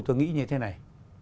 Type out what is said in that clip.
tôi nghĩ như thế này